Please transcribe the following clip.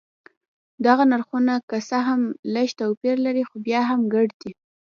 دغه نرخونه که څه هم لږ توپیر لري خو بیا هم ګډ دي.